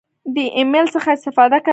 د ایمیل څخه استفاده کوئ؟